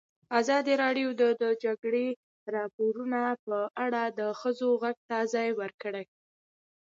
ازادي راډیو د د جګړې راپورونه په اړه د ښځو غږ ته ځای ورکړی.